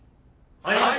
はい！